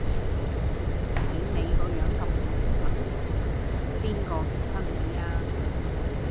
睇你個樣咁䒐䒏畀邊個激親你呀